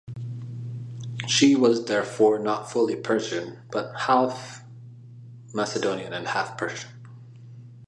She was therefore not fully Persian, but half-Macedonian and half-Persian.